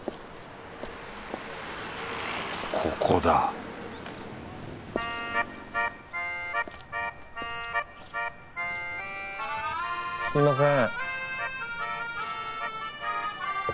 ここだすみません。